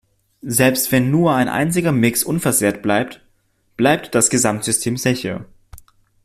Selbst wenn nur ein einziger Mix unversehrt bleibt, bleibt das Gesamtsystem sicher.